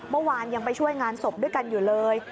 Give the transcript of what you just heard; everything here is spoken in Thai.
เมื่อวานยังไปช่วยงานศพด้วยกันอยู่เลย